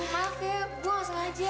maaf ya gue gak sengaja